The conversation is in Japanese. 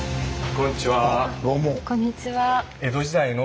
こんにちは。